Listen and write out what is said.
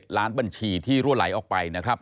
ล้านบัญชีที่รั่วไหลออกไปนะครับ